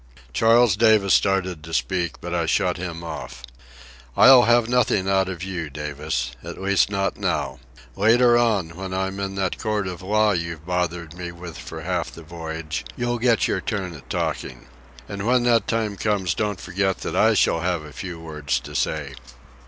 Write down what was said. Charles Davis started to speak, but I shut him off. "I'll have nothing out of you, Davis. At least not now. Later on, when I'm in that court of law you've bothered me with for half the voyage, you'll get your turn at talking. And when that time comes don't forget that I shall have a few words to say."